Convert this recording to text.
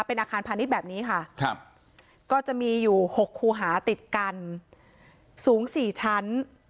เป็นอาคารพาณิชย์แบบนี้ค่ะครับก็จะมีอยู่๖คูหาติดกันสูง๔ชั้น